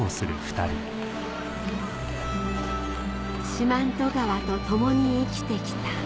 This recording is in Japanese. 四万十川と共に生きてきた